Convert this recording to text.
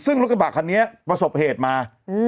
ซึ่งรถกระบะคันนี้ประสบเหตุมา